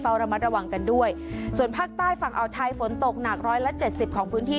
ระมัดระวังกันด้วยส่วนภาคใต้ฝั่งอ่าวไทยฝนตกหนักร้อยละเจ็ดสิบของพื้นที่